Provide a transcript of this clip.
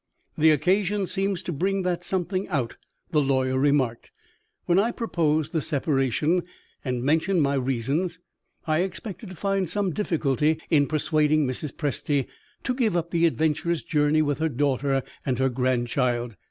"The occasion seems to bring that something out," the lawyer remarked. "When I proposed the separation, and mentioned my reasons, I expected to find some difficulty in persuading Mrs. Presty to give up the adventurous journey with her daughter and her grandchild.